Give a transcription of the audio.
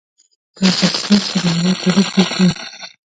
په افغانستان کې د هوا تاریخ اوږد دی.